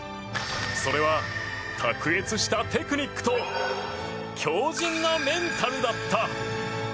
それは、卓越したテクニックと強じんなメンタルだった。